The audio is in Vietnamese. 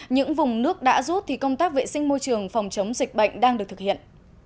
những vùng nước đã rút thì công tác vệ sinh môi trường phòng chống dịch bệnh đang được thực hiện